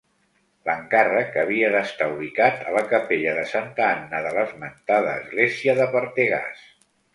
L'encàrrec havia d'estar ubicat a la capella de Santa Anna de l'esmentada església de Pertegàs.